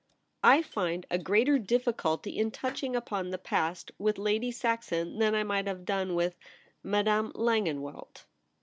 ' I find a greater difficulty in touching upon the past with Lady Saxon than I might have done with — Madame Langenwelt.'